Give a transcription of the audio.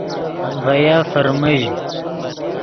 ڤے یف فرمژ